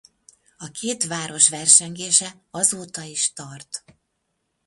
A két város versengése azóta is tart.